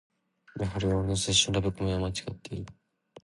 やはり俺の青春ラブコメはまちがっている